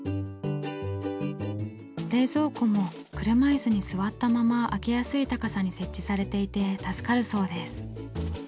冷蔵庫も車いすに座ったまま開けやすい高さに設置されていて助かるそうです。